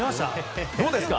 どうですか？